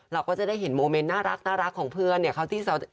เราก็จะได้เห็นโมเมนต์น่ารักของเพื่อนเนี่ย